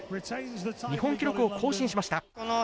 日本記録を更新しました。